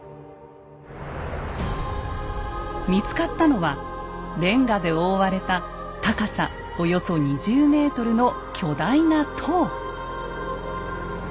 見つかったのはレンガで覆われた高さおよそ２０ｍの巨大な塔。